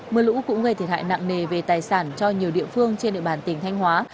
mưa lũ cũng gây thiệt hại nặng nề về tài sản cho nhiều địa phương trên địa bàn tỉnh thanh hóa